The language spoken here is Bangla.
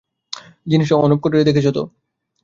জিনিসটা অন-অফ করে দেখেছ তো?